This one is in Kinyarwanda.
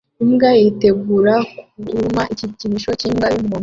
Imbwa yitegura kuruma igikinisho cyimbwa yumuhondo